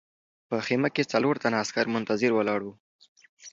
په خیمه کې څلور تنه عسکر منتظر ولاړ وو